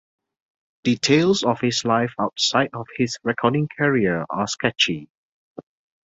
Details of his life outside of his recording career are sketchy.